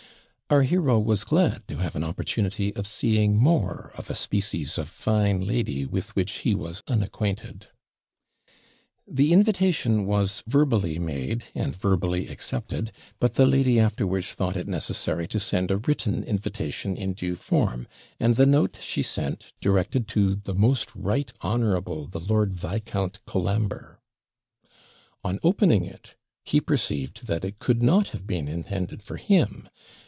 Our hero was glad to have an opportunity of seeing more of a species of fine lady with which he was unacquainted. The invitation was verbally made, and verbally accepted; but the lady afterwards thought it necessary to send a written invitation in due form, and the note she sent directed to the MOST RIGHT HONOURABLE the Lord Viscount Colambre. On opening it he perceived that it could not have been intended for him.